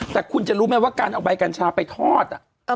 แต่คุณจะรู้ไหมว่าการเอาใบกัญชาไปทอด